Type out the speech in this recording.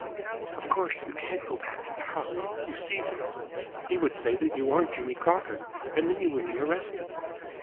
"Of course, you can't go back to the house. You see that? He would say that you aren't Jimmy Crocker and then you would be arrested."